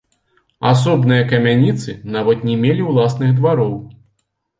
Асобныя камяніцы нават не мелі ўласных двароў.